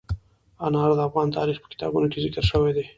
انار د افغان تاریخ په کتابونو کې ذکر شوی دي.